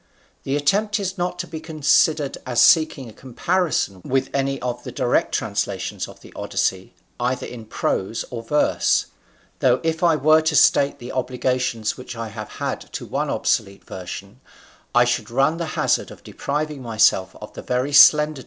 The attempt is not to be considered as seeking a comparison with any of the direct translations of the Odyssey, either in prose or verse, though if I were to state the obligations which I have had to one obsolete version, [Footnote: The translation of Homer by Chapman in the reign of James I.